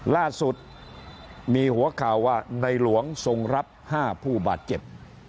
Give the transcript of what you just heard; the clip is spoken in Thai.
ล่าสุดมีหัวข่าวว่าในหลวงทรงรับ๕ผู้บาดเจ็บ